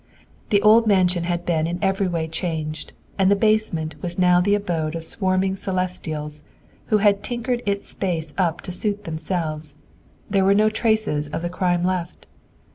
The old mansion had been in every way changed, and the basement was now the abode of swarming Celestials, who had tinkered its space up to suit themselves. There were no traces of the crime left!